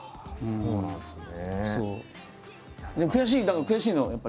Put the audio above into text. そうなんですね。